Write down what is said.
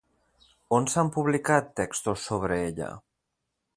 On s'han publicat textos sobre ella?